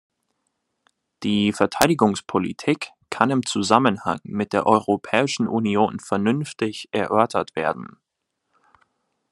Die Verteidigungspolitik kann im Zusammenhang mit der Europäischen Union vernünftig erörtert werden.